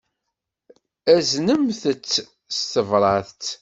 Aznemt-tt s tebṛat.